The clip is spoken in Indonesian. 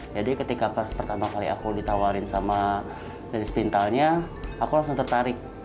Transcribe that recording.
jadi ketika pertama kali aku ditawarin sama dari sepintalnya aku langsung tertarik